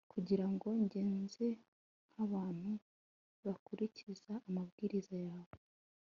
kugira ngo ngenze nk'abantu bakurikiza amabwiriza yawe